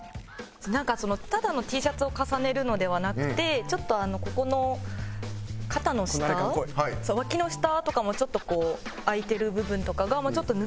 なんかただのＴシャツを重ねるのではなくてちょっとここの肩の下わきの下とかもちょっとこう開いてる部分とかが。